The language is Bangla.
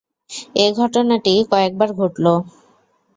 এ ঘটনাটি কয়েকবার ঘটল।